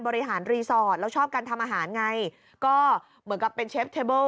บริหารรีสอร์ทแล้วชอบการทำอาหารไงก็เหมือนกับเป็นเชฟเทเบิล